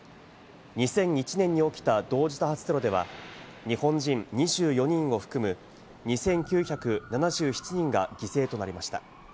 ２００１年に起きた同時多発テロでは、日本人２４人を含む、２９７７人が犠牲となりました。